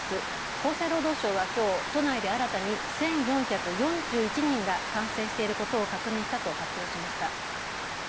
厚生労働省はきょう都内で新たに１４４１人が感染していることを確認したと発表しました。